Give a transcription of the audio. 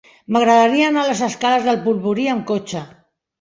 M'agradaria anar a les escales del Polvorí amb cotxe.